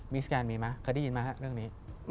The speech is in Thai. มิทสแกนมีมั้ยเคยได้ยินมั้ยเรื่องดิ